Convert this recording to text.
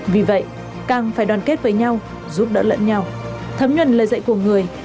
vì vậy càng phải đoàn kết với nhau giúp đỡ lẫn nhau thấm nhuần lời dạy của người